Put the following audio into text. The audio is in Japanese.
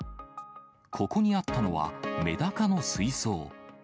ここにあったのは、メダカの水槽。